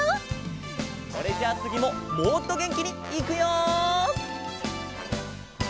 それじゃあつぎももっとげんきにいくよ！